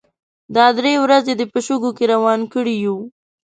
دا درې ورځې دې په شګو کې روان کړي يو.